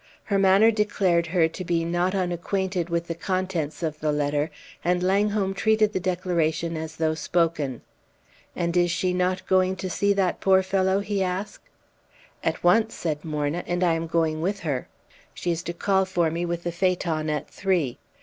Her manner declared her to be not unacquainted with the contents of the letter, and Langholm treated the declaration as though spoken. "And is she not going to see that poor fellow?" he asked. "At once," said Morna, "and I am going with her. She is to call for me with the phaeton at three."